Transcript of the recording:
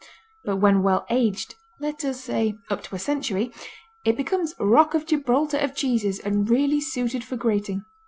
But when well aged, let us say up to a century, it becomes Rock of Gibraltar of cheeses and really suited for grating.